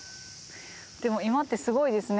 でも今ってすごいですね